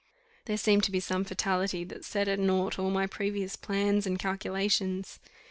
There seemed to be some fatality that set at nought all my previous plans and calculations.